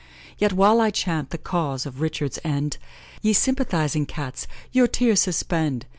Yet while I chant the cause of Richard's end, Ye sympathising Cats, your tears suspend!